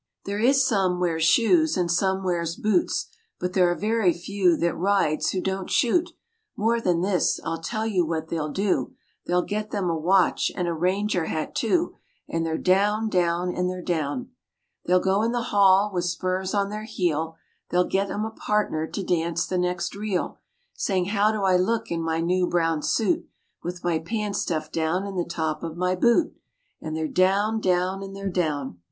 There is some wears shoes and some wears boots, But there are very few that rides who don't shoot; More than this, I'll tell you what they'll do, They'll get them a watch and a ranger hat, too, And they're down, down, and they're down. They'll go in the hall with spurs on their heel, They'll get them a partner to dance the next reel, Saying, "How do I look in my new brown suit, With my pants stuffed down in the top of my boot?" And they're down, down, and they're down.